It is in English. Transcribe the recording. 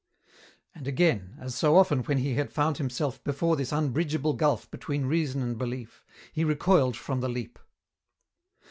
And again, as so often when he had found himself before this unbridgeable gulf between reason and belief, he recoiled from the leap.